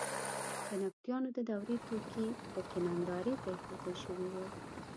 د نبطیانو د دورې توکي په کې نندارې ته اېښودل شوي وو.